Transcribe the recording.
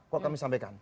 kalau kami sampaikan